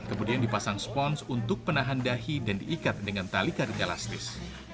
kemudian dipasang spons untuk penahan dahi dan diikat dengan tali karung elastis